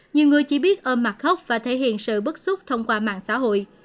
nhiều người chỉ biết ôm mặt khóc và thể hiện sự bất xúc thông qua mạng xã hội